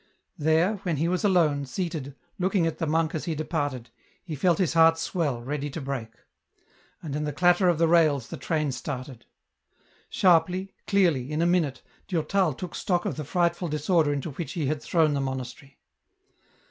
There, when he was alone, seated, looking at the monk as he departed, he felt his heart swell, ready to break. And in the clatter of the rails the train started. Sharply, clearly, in a minute, Durtal took stock of the frightful disorder into which he had thrown the mon astery.